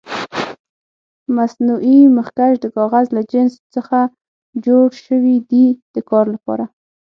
مصنوعي مخکش د کاغذ له جنس څخه جوړ شوي دي د کار لپاره.